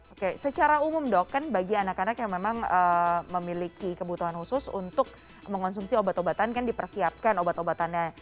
oke secara umum dok kan bagi anak anak yang memang memiliki kebutuhan khusus untuk mengonsumsi obat obatan kan dipersiapkan obat obatannya